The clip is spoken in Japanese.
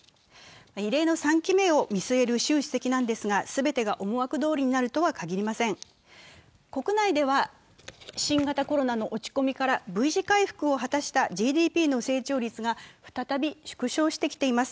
異例の３期目を見据える習主席なんですが、国内では新型コロナの落ち込みからＶ字回復を果たしたＧＤＰの成長率が再び縮小してきています。